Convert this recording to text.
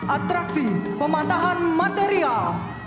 atraksi pematahan material